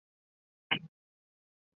圣让皮耶尔菲克斯特。